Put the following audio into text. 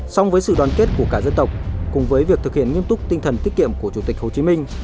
song với sự đoàn kết của cả dân tộc cùng với việc thực hiện nghiêm túc tinh thần tiết kiệm của chủ tịch hồ chí minh